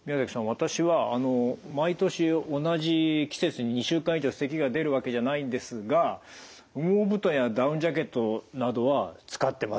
私は毎年同じ季節に２週間以上せきが出るわけじゃないんですが羽毛布団やダウンジャケットなどは使ってます。